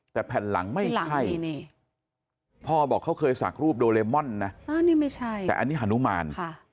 แต่แผ่นหลังไม่ใช่พ่อบอกเขาเคยสักรูปโดเรมอนนะนี่ไม่ใช่แต่อันนี้ฮานุมาน